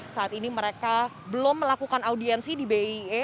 saat ini mereka belum melakukan audiensi di bie